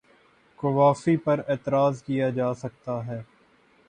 قوافی پر اعتراض کیا جا سکتا ہے۔